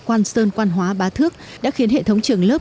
quan sơn quan hóa bá thước đã khiến hệ thống trường lớp